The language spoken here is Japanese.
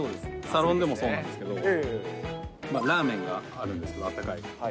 サロンでもそうなんですけど、ラーメンがあるんです、あったかい。